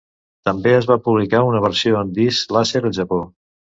També es va publicar una versió en disc làser al Japó.